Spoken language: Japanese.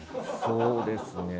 そうですね。